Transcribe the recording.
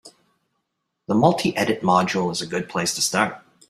The multi-edit module is a good place to start.